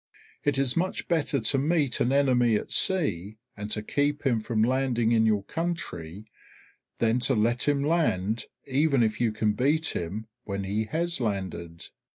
It is much better to meet an enemy at sea, and to keep him from landing in your country, than to let him land, even if you can beat him when he has landed.